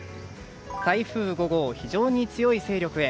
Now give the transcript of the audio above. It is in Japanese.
台風５号、非常に強い勢力へ。